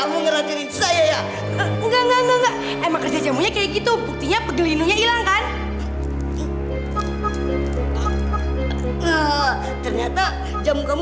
wah bombo jamu kedukun juga